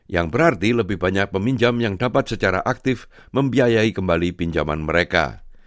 yang berarti lebih banyak peminjam yang dapat secara aktif membiayai kembali pinjaman mereka